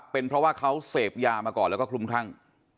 เป็นเพราะว่าเขาเสพยามาก่อนแล้วก็คลุมคลั่ง